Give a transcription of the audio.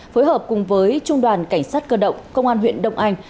phối hợp cùng với trung đoàn cảnh sát cơ động công an huyện đông anh